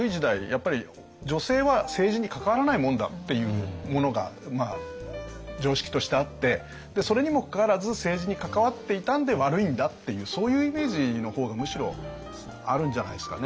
やっぱり「女性は政治に関わらないもんだ」っていうものが常識としてあってでそれにもかかわらず政治に関わっていたんで悪いんだっていうそういうイメージの方がむしろあるんじゃないですかね。